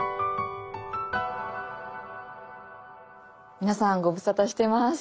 皆さんご無沙汰してます。